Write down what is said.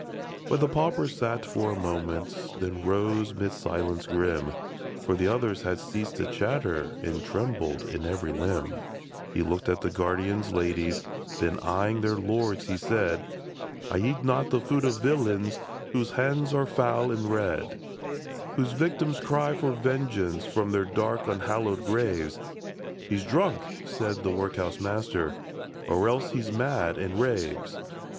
But the pauper sat for a moment, Then rose 'mid a silence grim, For the others had ceased to chatter And trembled in every limb. lO THE DAGONET BALLADS. He looked at the guardians' ladies, Then, eyeing their lords, he said, " I eat not the food of villains Whose hands are foul and red :" Whose victims cry for vengeance From their dank, unhallowed graves." " He 's drunk !" said the workhouse master, •* Or else he 's mad, affd raves."